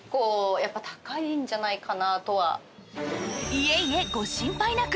いえいえご心配なく！